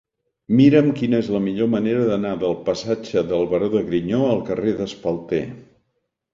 Mira'm quina és la millor manera d'anar del passatge del Baró de Griñó al carrer d'Espalter.